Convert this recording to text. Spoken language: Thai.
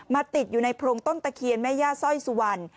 ติดอยู่ในโพรงต้นตะเคียนแม่ย่าสร้อยสุวรรณ